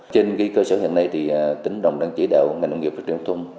trên cơ sở hiện nay thì tỉnh lâm đồng đang chỉ đạo ngành nông nghiệp và truyền thông